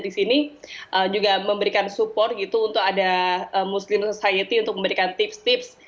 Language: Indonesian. di sini juga memberikan support gitu untuk ada muslim society untuk memberikan tips tips